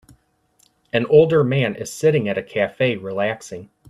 An older man is sitting at a cafe relaxing.